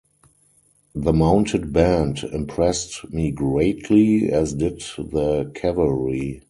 The mounted band impressed me greatly, as did the cavalry.